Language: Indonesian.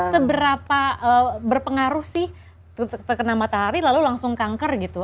seberapa berpengaruh sih terkena matahari lalu langsung kanker gitu